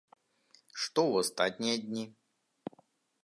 Што ў астатнія дні?